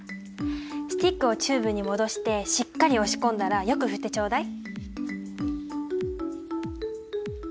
スティックをチューブに戻してしっかり押し込んだらよく振ってちょうだい。